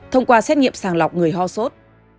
thông qua xét nghiệm sàng lọc người ho sốt